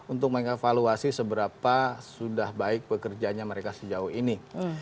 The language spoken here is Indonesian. untuk mengevaluasi seberapa sudah baik pekerjaannya mereka sejauh ini